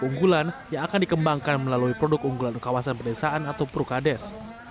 unggulan yang akan dikembangkan melalui produk unggulan kawasan pedesaan atau prukades